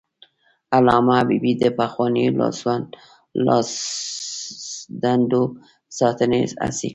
علامه حبيبي د پخوانیو لاسوندونو د ساتنې هڅې کړي.